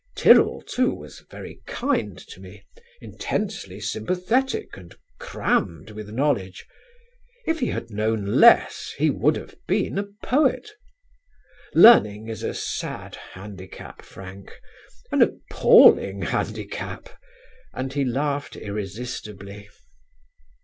Tyrrell, too, was very kind to me intensely sympathetic and crammed with knowledge. If he had known less he would have been a poet. Learning is a sad handicap, Frank, an appalling handicap," and he laughed irresistibly.